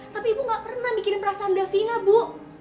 tapi ibu enggak pernah mikirin perasaan davina bu